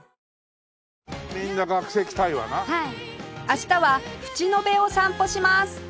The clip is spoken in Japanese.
明日は淵野辺を散歩します